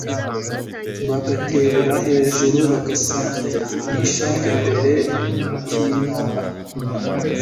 bagaterera hejuru, bagasamisha imbere h’intara